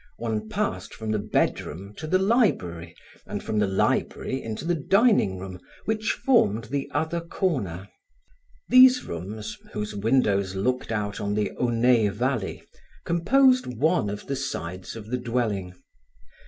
One passed from the bedroom to the library, and from the library into the dining room, which formed the other corner. These rooms, whose windows looked out on the Aunay Valley, composed one of the sides of the dwelling.